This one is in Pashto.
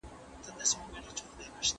د قدرت لېږد په سمه توګه ترسره نسو.